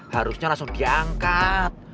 harusnya langsung diangkat